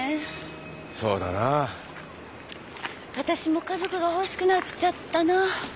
わたしも家族が欲しくなっちゃったな。